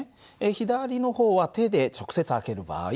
左の方は手で直接開ける場合。